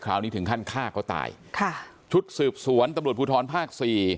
คราวนี้ถึงขั้นฆ่าก็ตายชุดสืบสวนตำรวจภูทรภาค๔